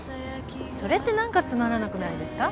それって何かつまらなくないですか？